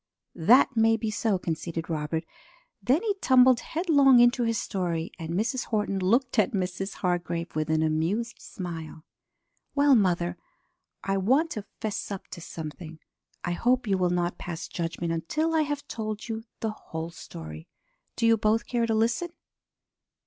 "That may be so," conceded Robert. Then he tumbled headlong into his story, and Mrs. Horton looked at Mrs. Hargrave with an amused smile. "Well, mother, I want to 'fess up to something. I hope you will not pass judgment until I have told you the whole story. Do you both care to listen?"